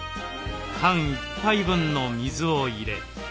缶１杯分の水を入れ。